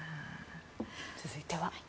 続いては。